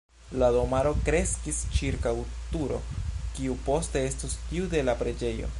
La domaro kreskis ĉirkaŭ turo, kiu poste estos tiu de la preĝejo.